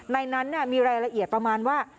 ในนั้นมีรายละเอียดประมาณว่า